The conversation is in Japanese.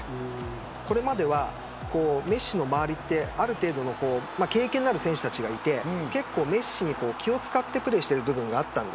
これまでは、メッシの周りはある程度の経験のある選手がいてメッシに結構、気を使ってプレーしている部分がありました。